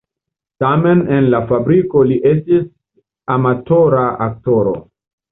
Tamen en la fabriko li estis amatora aktoro.